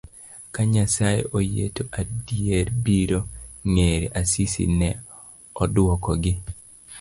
ka Nyasaye oyie to adier biro ng'ere, Asisi ne odwokogi.